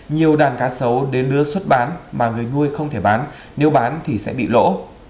nhiều đàn cá sấu đến lứa xuất bán mà người nuôi không thể bán nếu bán thì sẽ bị lỗ